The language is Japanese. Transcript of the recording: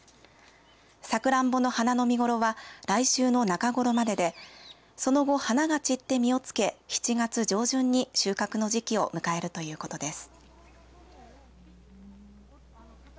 サクランボの花の見頃は来週の中頃まででその後、花が散って実を付け７月上旬に収穫の時期を迎えるということです。